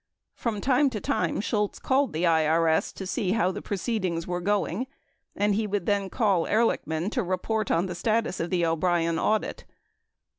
From time to time, Shultz called the IRS to see how the proceedings were going and he would then call Ehrlichman to report on the status on the O'Brien audit.